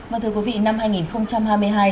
vâng thưa quý vị năm hai nghìn hai mươi hai